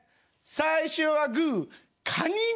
最初はグー！